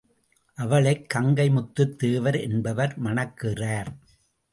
அவளைக் கங்கை முத்துத் தேவர் என்பவர் மணக்கிறார்.